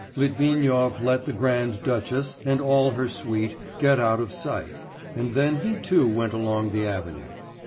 XIV Litvinov let the Grand Duchess and all her suite get out of sight, and then he too went along the avenue.